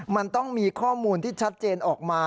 มันต้องมีข้อมูลที่ชัดเจนออกมา